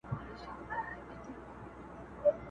له پردي وطنه ځمه لټوم کور د خپلوانو؛